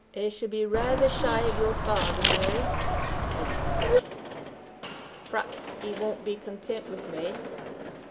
"I shall be rather shy of your father, Mary," said Joseph. "Perhaps he won't be content with me."